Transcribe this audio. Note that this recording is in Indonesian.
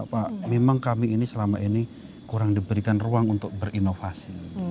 pak memang kami ini selama ini kurang diberikan ruang untuk berinovasi